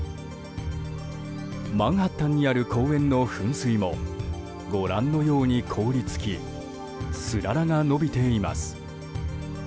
マンハッタンにある公園の噴水もご覧のように、凍り付きつららが伸びています。